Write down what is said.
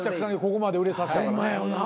ここまで売れさしたから。